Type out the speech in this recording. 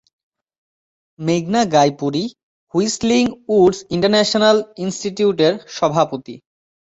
মেঘনা Ghai Puri Whistling Woods international ইনস্টিটিউটের সভাপতি।